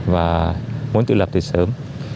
và muốn tự lập từ sớm